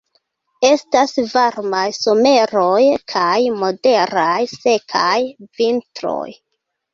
Estas varmaj someroj kaj moderaj sekaj vintroj.